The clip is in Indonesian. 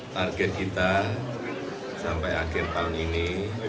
target kita sampai akhir tahun ini seratus enam puluh